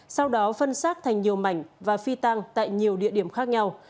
sau đó phân xác thành nhiều mảnh và phi tăng tại nhiều địa điểm khác nhau